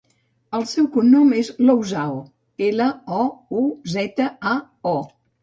El seu cognom és Louzao: ela, o, u, zeta, a, o.